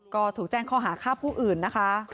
ก็ถูกแจ้งข้อหาฆ่าผู้อื่นนะคะ